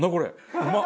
うまっ！